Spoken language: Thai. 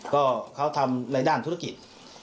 ก็เขาทำในด้านธุรกิจ